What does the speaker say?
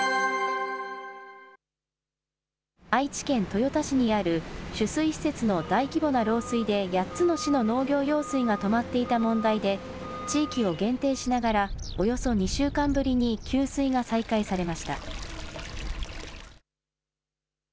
愛知県豊田市にある取水施設の大規模な漏水で、８つの市の農業用水が止まっていた問題で、地域を限定しながらおよそ２週間ぶりに給水が再開されました。